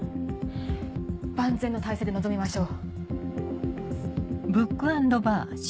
万全の態勢で臨みましょう。